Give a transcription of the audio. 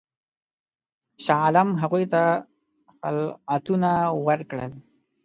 شاه عالم هغوی ته خلعتونه ورکړل.